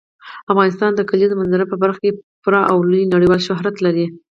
افغانستان د کلیزو منظره په برخه کې پوره او لوی نړیوال شهرت لري.